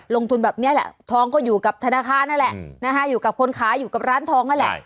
ลงทุนแบบนี้แหละทองก็อยู่กับธนาคารนั่นแหละนะคะอยู่กับคนขายอยู่กับร้านทองนั่นแหละ